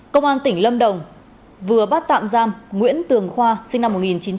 công an tỉnh lâm đồng vừa bắt tạm giam nguyễn tường khoa sinh năm một nghìn chín trăm tám mươi